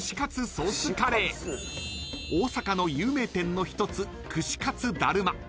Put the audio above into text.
［大阪の有名店の一つ串かつだるま］